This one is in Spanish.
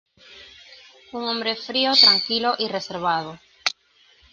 Un hombre frío, tranquilo y reservado.